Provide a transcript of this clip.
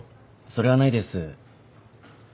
それはないです。